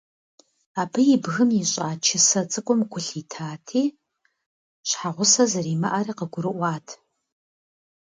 Абы и бгым ищӀа чысэ цӀыкӀум гу лъитати, щхьэгъусэ зэримыӀэри къыгурыӀуат.